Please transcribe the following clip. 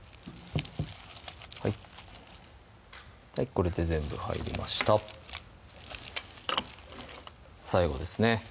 これで全部入りました最後ですね